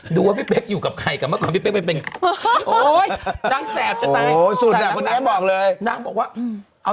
ฮือฮือฮือฮือฮือ